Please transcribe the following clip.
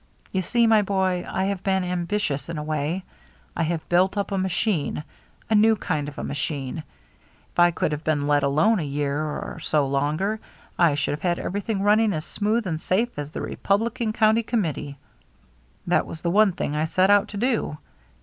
You see, my boy, I have been ambitious in a way. I have built up a machine — a new kind of a machine. If I could have been let alone a year or so longer, I should have had every thing running as smooth and safe as the Re publican County Committee. That was the one thing I set out to do.